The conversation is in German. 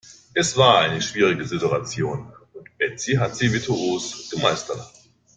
Es war eine schwierige Situation und Betsy hat sie virtuos gemeistert.